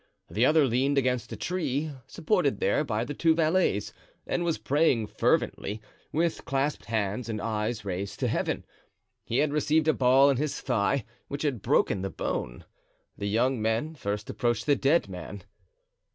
The other leaned against a tree, supported there by the two valets, and was praying fervently, with clasped hands and eyes raised to Heaven. He had received a ball in his thigh, which had broken the bone. The young men first approached the dead man.